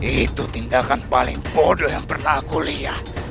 itu tindakan paling bodoh yang pernah aku lihat